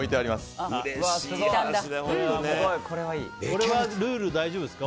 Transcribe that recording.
これはルール大丈夫ですか？